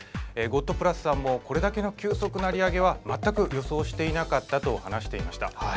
ゴットブラスさんもこれだけの急速な利上げは全く予想していなかったと話していました。